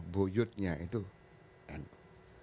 bu yudnya itu nu